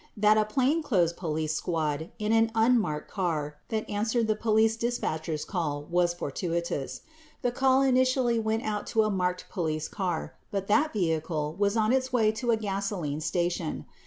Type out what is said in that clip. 10 That a plainclothes police squad in an unmarked car answered the police dispatcher's call was fortuitous. The call initially went out to a marked police car but that vehicle w r as on its way to a gasoline station.